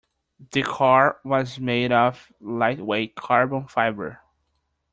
The car was made of lightweight Carbon Fibre.